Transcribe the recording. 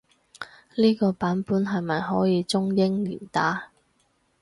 呢個版本係咪可以中英連打？